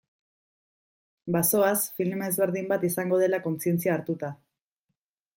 Bazoaz, film ezberdin bat izango dela kontzientzia hartuta.